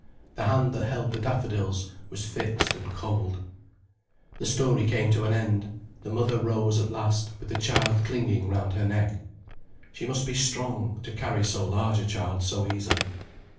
The hand that held the daffodils was fixed and cold. The story came to an end, the mother rose at last, with the child clinging round her neck. She must be strong, to carry so large a child so easily.